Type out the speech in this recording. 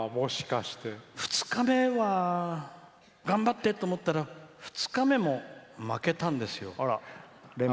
２日目は頑張ってと思ったら２日目も負けたんですよ。